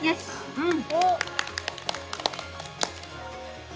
うん！